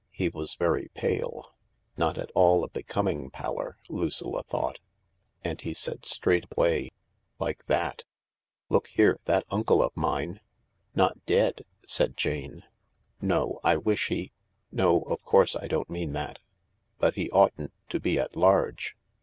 He was very pale — not at all a becoming pallor, Lucilla thought — and he said straight away— like that :Look here — that uncle of mine "" Not dead ?" said Jane. "No, I wish he — no, of course I don't mean that. But he oughtn't to be at large.